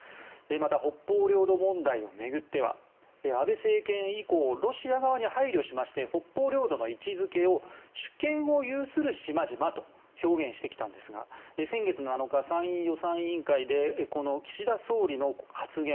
また、北方領土問題を巡っては安倍政権以降ロシア側に配慮して北方領土の位置付けを主権を有する島々と表現してきたんですが先月７日、参院予算委員会で岸田総理の発言